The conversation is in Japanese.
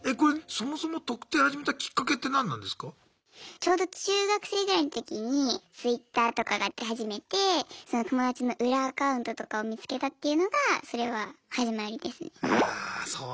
ちょうど中学生ぐらいの時にＴｗｉｔｔｅｒとかが出始めてその友達の裏アカウントとかを見つけたっていうのがそれは始まりですね。